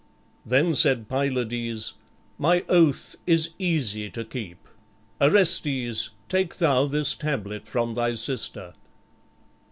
Then said Pylades, "My oath is easy to keep. Orestes, take thou this tablet from thy sister."